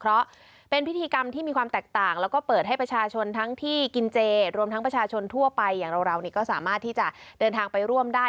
เพราะเป็นพิธีกรรมที่มีความแตกต่างแล้วก็เปิดให้ประชาชนทั้งที่กินเจรวมทั้งประชาชนทั่วไปอย่างเราก็สามารถที่จะเดินทางไปร่วมได้